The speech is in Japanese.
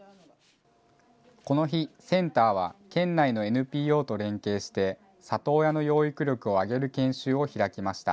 この日、センターは県内のＮＰＯと連携して里親の養育力を上げる研修を開きました。